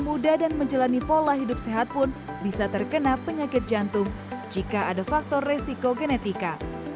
muda dan menjalani pola hidup sehat pun bisa terkena penyakit jantung jika ada faktor resiko genetika